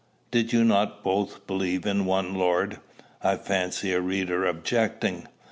"Did you not both believe in one Lord?" I fancy a reader objecting.